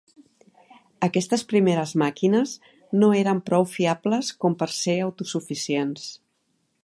Aquestes primeres màquines no eren prou fiables com per ser autosuficients.